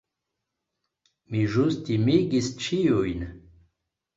Mi ĵus timigis ĉiujn.